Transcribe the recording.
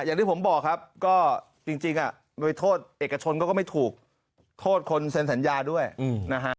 อย่างที่ผมบอกครับก็จริงโดยโทษเอกชนก็ไม่ถูกโทษคนเซ็นสัญญาด้วยนะฮะ